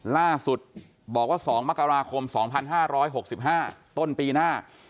ล่าสุดบอกว่าสองมกราคมสองพันห้าร้อยหกสิบห้าต้นปีหน้า